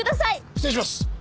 失礼します。